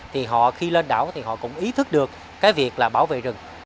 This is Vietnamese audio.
thì họ khi lên đảo thì họ cũng ý thức được cái việc là bảo vệ rừng